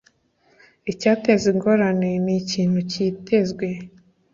Icyateza Ingorane Ni Ikintu Cyitezwe